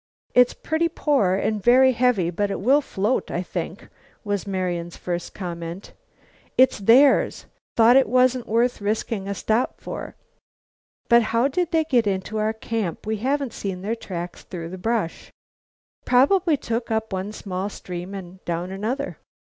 "It's pretty poor and very heavy, but it will float, I think," was Marian's first comment. "It's theirs. Thought it wasn't worth risking a stop for." "But how did they get into our camp? We haven't seen their tracks through the brush." "Probably took up one small stream and down another."